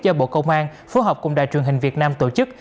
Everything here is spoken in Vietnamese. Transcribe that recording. do bộ công an phối hợp cùng đài truyền hình việt nam tổ chức